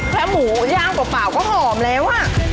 แล้วหมูย่างป่าวก็หอมแล้ว